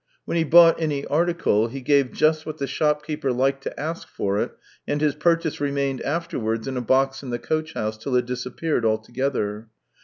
When he bought any article he gave just what the shopkeeper liked to ask for it and his purchase remained afterwards in a box in the coach house till it disappeared altogether.